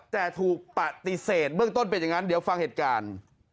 แต่ถูกปฏิเสธเบื้องต้นเป็นอย่างนั้นเดี๋ยวฟังเหตุการณ์